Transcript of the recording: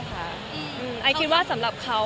ผมคิดว่าสำหรับเขา